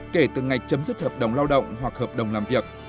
kể từ ngày chấm dứt hợp đồng lao động hoặc hợp đồng làm việc